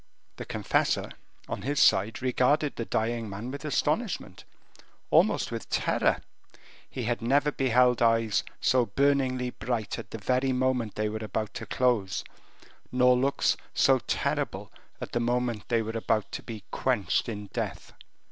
The confessor, on his side, regarded the dying man with astonishment, almost with terror. He had never beheld eyes so burningly bright at the very moment they were about to close, nor looks so terrible at the moment they were about to be quenched in death.